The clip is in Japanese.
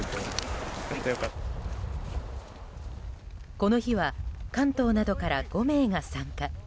この日は関東などから５名が参加。